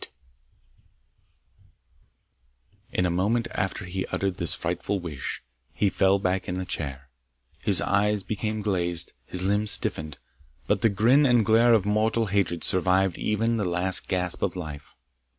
[Illustration: The Death of Rashleigh 338] In a moment after he had uttered this frightful wish, he fell back in the chair; his eyes became glazed, his limbs stiffened, but the grin and glare of mortal hatred survived even the last gasp of life.